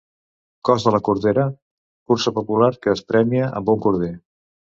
Cos de la Cordera: cursa popular que es premia amb un corder.